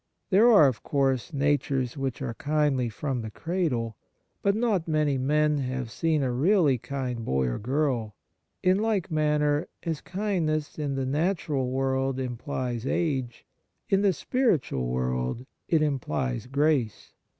There are, of course, natures which are kindly from the cradle. But not many men have seen a really kind boy or girl. In like manner, as kindness in the natural world implies age. 40 Kindness in the spiritual world it implies ijrace.